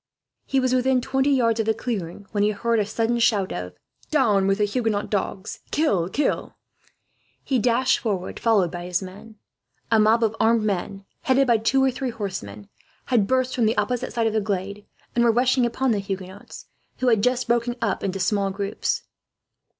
He was within twenty yards of the clearing when he heard a sudden shout of: "Down with the Huguenot dogs! Kill! Kill!" He dashed forward, followed by his men. A mob of armed men, headed by two or three horsemen, had burst from the opposite side of the glade and were rushing upon the Huguenots, who had just broken up into small groups.